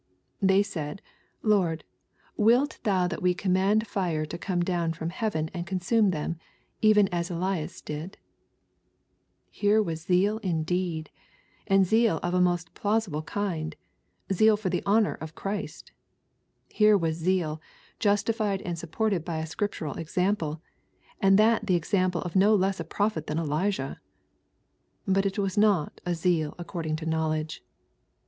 " They said, Lord, wilt thou that we command fire to come down from heaven and consume them, even as Elias did ?" Here was zeal indeed, and zeal of a most plausible kind, — zeal for the honor of Christ ! Here was zeal, justified and supported by a scriptural example, and that the example of no less a prophet than Elijah 1 But it was not a zeal according to knowledge.